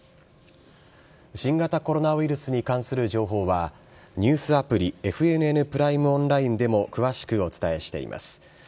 新型コロナウイルスに関する情報は、ニュースアプリ、ＦＮＮプライムオンラインでも詳しくお伝えしています。